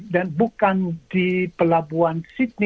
dan bukan di pelabuhan